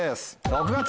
「６月」。